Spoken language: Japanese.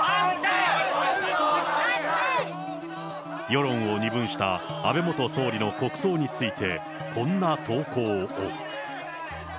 世論を二分した安倍元総理の国葬について、こんな投稿を。